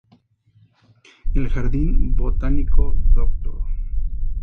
El Jardín Botánico “Dr.